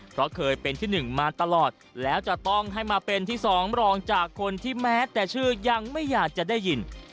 เพราะเคยเป็นที่๑มาตลอดแล้วจะต้องให้มาเป็นที่สองรองจากคนที่แม้แต่ชื่อยังไม่อยากจะได้ยิน